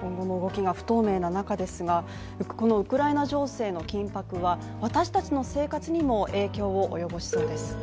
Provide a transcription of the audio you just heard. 今後の動きが不透明な中ですが、このウクライナ情勢の緊迫は私たちの生活にも影響を及ぼしそうです。